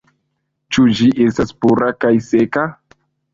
Ĉu ĝi estas pura kaj seka?